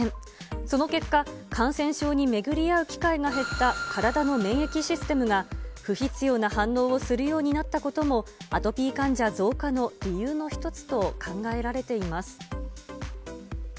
その結果、感染症にめぐりあう機会が減った体の免疫システムが不必要な反応をするようになったこともアトピー患者増加の理由の一つと考えられています。